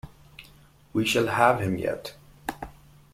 We shall have him yet!